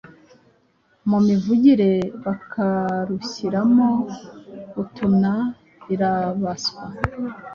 mu mivugire bakarushyiramo utunairabaswa.